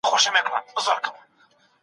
په رګو کي د وجود مي لکه وینه